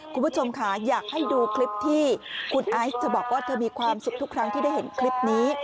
คุณผู้ชมค่ะอยากให้ดูคลิปที่คุณไอซ์เธอบอกว่าเธอมีความสุขทุกครั้งที่ได้เห็นคลิปนี้